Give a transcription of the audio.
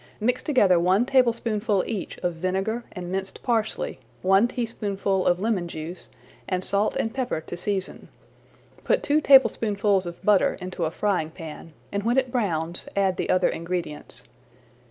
Mix together one tablespoonful each of vinegar and minced parsley, one teaspoonful of lemon juice, and salt and pepper to season. Put two tablespoonfuls of butter into a frying pan and when it browns add the other ingredients.